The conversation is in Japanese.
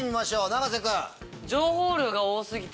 永瀬君。